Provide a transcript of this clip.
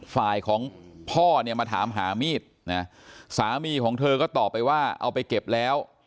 ฝ่ายของพ่อเนี่ยมาถามหามีดนะสามีของเธอก็ตอบไปว่าเอาไปเก็บแล้ว